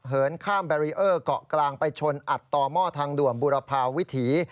เหินข้ามแบรีเออร์เกาะกลางไปชนอัดต่อหม้อทางด่วนบุรพาวิถี